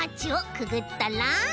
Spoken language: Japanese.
くぐったら？